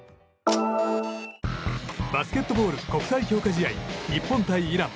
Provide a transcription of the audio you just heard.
バスケットボール国際強化試合日本対イラン。